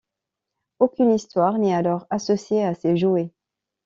Aucune histoire n'est alors associée à ces jouets.